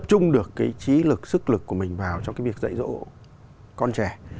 tập trung được cái trí lực sức lực của mình vào cho cái việc dạy dỗ con trẻ